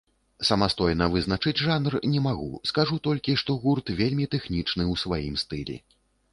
Самастойна вызначыць жанр не магу, скажу толькі, што гурт вельмі тэхнічны ў сваім стылі.